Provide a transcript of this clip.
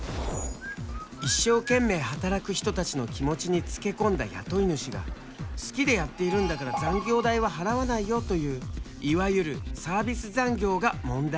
一生懸命働く人たちの気持ちにつけ込んだ雇い主が好きでやっているんだから残業代は払わないよといういわゆるサービス残業が問題になっている。